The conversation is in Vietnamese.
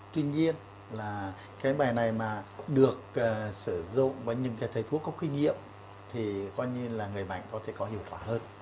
tuy nhiên là cái bài này mà được sử dụng với những cái thầy thuốc có kinh nghiệm thì coi như là người bệnh có thể có hiệu quả hơn